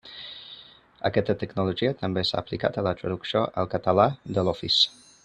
Aquesta tecnologia també s'ha aplicat a la traducció al català de l'Office.